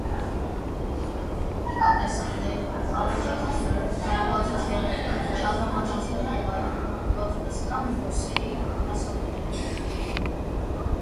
Շատ տեսակներ (ալոճաթիթեռը, կաղամբաթիթեռը, շաղգամաթիթեռը և այլն) գյուղատնտեսական բույսերի վնասատուներ են։